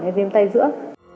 hay viêm tay giữa